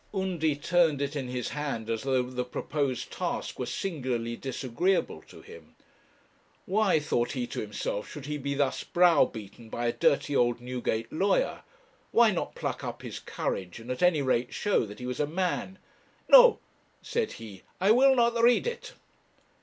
Undy turned it in his hand as though the proposed task were singularly disagreeable to him. Why, thought he to himself, should he be thus browbeaten by a dirty old Newgate lawyer? Why not pluck up his courage, and, at any rate, show that he was a man? 'No,' said he, 'I will not read it.'